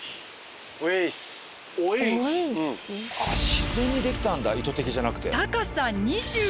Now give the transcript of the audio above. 自然にできたんだ意図的じゃなくて。